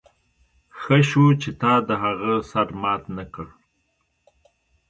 ښه شو چې تا د هغه سر مات نه کړ